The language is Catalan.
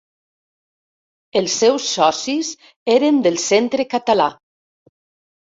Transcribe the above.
Els seus socis eren del Centre Català.